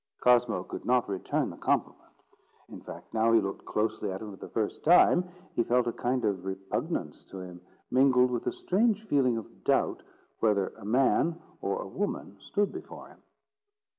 Cosmo could not return the compliment. In fact, now he looked closely at him for the first time, he felt a kind of repugnance to him, mingled with a strange feeling of doubt whether a man or a woman stood before him.